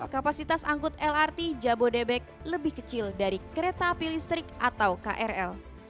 kapasitas angkut lrt jabodebek lebih kecil dari kereta api listrik atau krl